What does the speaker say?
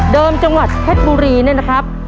เดิมจังหวัดเพชรบุรีนะครับ